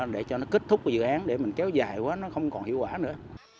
để cho nó kết thúc cái dự án để mình kéo dài quá nó không còn hiệu quả nữa